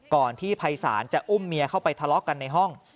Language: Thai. ก่อนที่ภัยศาลจะอุ้มเมียเข้าไปทะเลาะกันในห้อง